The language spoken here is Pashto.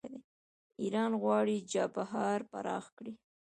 ایران غواړي چابهار پراخ کړي.